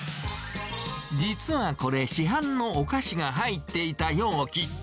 実はこれ、市販のお菓子が入っていた容器。